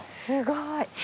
すごい！